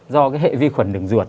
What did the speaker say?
do cái hệ vi khuẩn đường ruột